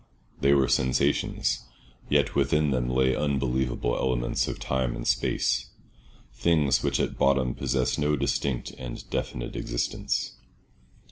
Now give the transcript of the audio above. They were sensations, yet within them lay unbelievable elements of time and space—things which at bottom possess no distinct and definite existence.